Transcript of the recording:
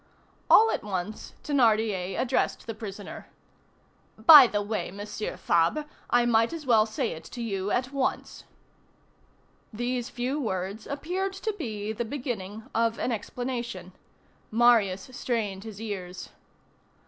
All at once, Thénardier addressed the prisoner: "By the way, Monsieur Fabre, I might as well say it to you at once." These few words appeared to be the beginning of an explanation. Marius strained his ears.